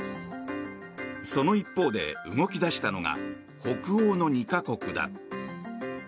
その一方で、動き出したのが北欧の２か国だ。